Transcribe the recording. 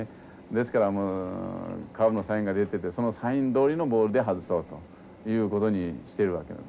ですからもうカーブのサインが出ててそのサインどおりのボールで外そうということにしてたわけなんですね。